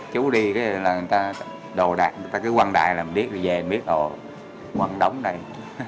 chú đi người ta cứ quăng đại làm biết rồi về mới biết quăng đóng đây